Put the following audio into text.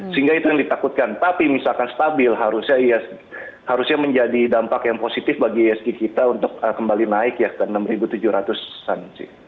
sehingga itu yang ditakutkan tapi misalkan stabil harusnya harusnya menjadi dampak yang positif bagi isg kita untuk kembali naik ya ke enam tujuh ratus an sih